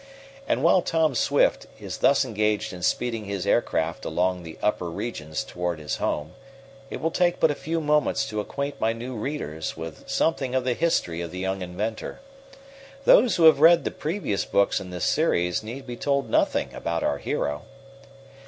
And while Tom Swift is thus engaged in speeding his aircraft along the upper regions toward his home, it will take but a few moments to acquaint my new readers with something of the history of the young inventor. Those who have read the previous books in this series need be told nothing about our hero.